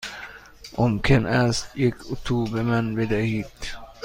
ممکن است یک اتو به من بدهید؟